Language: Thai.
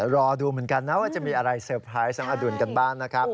รอดูเหมือนกันนะว่าจะมีอะไรเซอร์ไพรส์น้องอดุลกันบ้างนะครับ